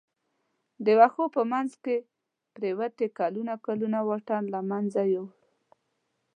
د وښو په منځ کې پروتې کلونه کلونه واټن له منځه یووړ.